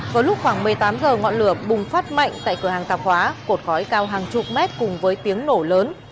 vào lúc khoảng một mươi tám h ngọn lửa bùng phát mạnh tại cửa hàng tạp hóa cột khói cao hàng chục mét cùng với tiếng nổ lớn